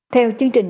theo chương trình